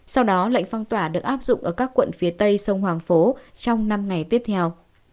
sau đó lệnh phong tỏa được áp dụng ở các quận phía tây sông hoàng phố trong năm ngày tiếp theo